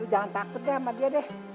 jangan takut deh sama dia deh